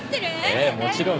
ええもちろん。